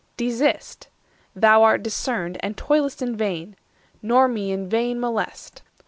Desist (thou art discerned, And toil'st in vain), nor me in vain molest."